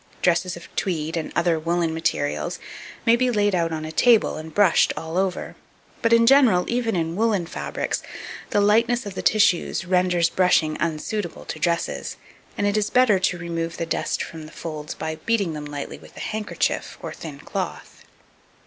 Dresses of tweed, and other woollen materials, may be laid out on a table and brushed all over; but in general, even in woollen fabrics, the lightness of the tissues renders brushing unsuitable to dresses, and it is better to remove the dust from the folds by beating them lightly with a handkerchief or thin cloth.